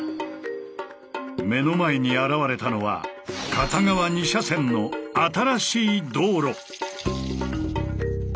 目の前に現れたのは片側２車線の「新しい道路」。